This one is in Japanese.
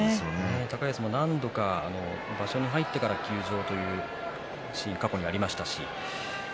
高安も何度か場所に入ってから休場ということが過去にありましたし。